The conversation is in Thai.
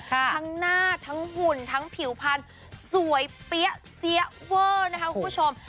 ทั้งหน้าทั้งหุ่นทั้งผิวพันธุ์สวยเปี้ยเสี้ยเวอร์นะคะคุณผู้ชม